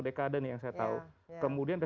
dekade nih yang saya tahu kemudian